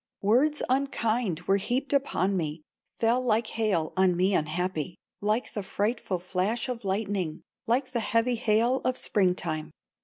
Words unkind were heaped upon me, Fell like hail on me unhappy, Like the frightful flash of lightning, Like the heavy hail of spring time.